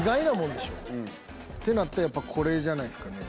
ってなるとやっぱこれじゃないですかね？